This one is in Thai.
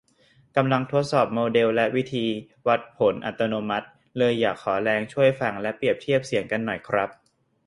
กำลังทดสอบโมเดลและวิธีวัดผลอัตโนมัติ เลยอยากขอแรงช่วยฟังและเปรียบเทียบเสียงกันหน่อยครับ